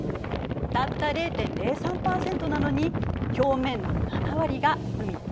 たった０．０３％なのに表面の７割が海。